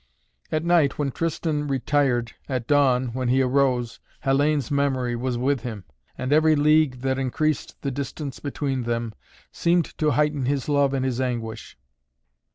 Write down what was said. At night, when Tristan retired, at dawn, when he arose, Hellayne's memory was with him, and every league that increased the distance between them seemed to heighten his love and his anguish.